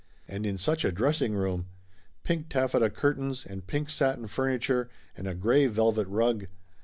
And in such a dressing room ! Pink taffeta curtains and pink satin furniture, and a gray velvet rug.